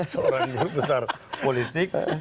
seorang yang besar politik